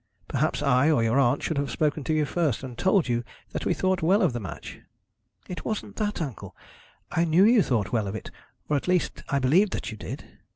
Perhaps I, or your aunt, should have spoken to you first, and told you that we thought well of the match.' 'It wasn't that, uncle. I knew you thought well of it; or, at least, I believed that you did.'